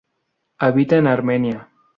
Habita en Armenia.